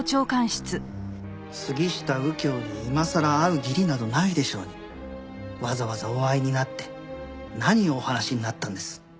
杉下右京に今さら会う義理などないでしょうにわざわざお会いになって何をお話しになったんです？